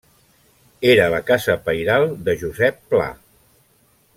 Era la casa pairal de Josep Pla.